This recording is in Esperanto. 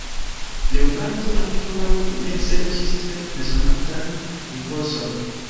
Leonardo ankoraŭ ne serĉis tre bezonatan ripozon.